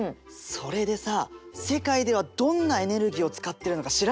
それでさ世界ではどんなエネルギーを使ってるのか調べてみたんだよ。